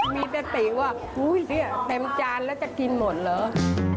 มีสติว่าอุ้ยเนี่ยเต็มจานแล้วจะกินหมดเหรอ